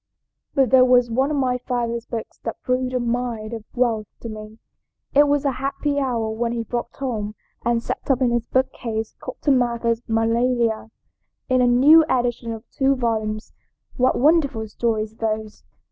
"But there was one of my father's books that proved a mine of wealth to me. It was a happy hour when he brought home and set up in his bookcase Cotton Mather's 'Magnalia,' in a new edition of two volumes. What wonderful stories those!